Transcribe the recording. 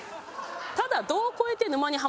ただ。